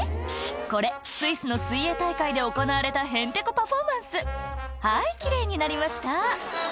これスイスの水泳大会で行われたへんてこパフォーマンスはい奇麗になりました